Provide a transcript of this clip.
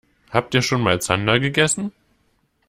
Habt ihr schon mal Zander gegessen?